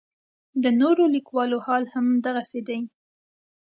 د نورو لیکوالو حال هم دغسې دی.